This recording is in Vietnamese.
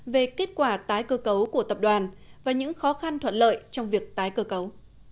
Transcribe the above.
về kết quả tái cơ cấu của tập đoàn và những khó khăn thuận lợi trong việc tái cơ cấu